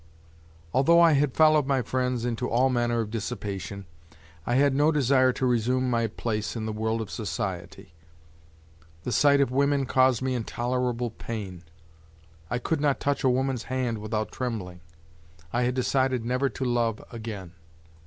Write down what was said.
Although I had followed my friends into all manner of dissipation, I had no desire to resume my place in the world of society. The sight of women caused me intolerable pain; I could not touch a woman's hand without trembling. I had decided never to love again.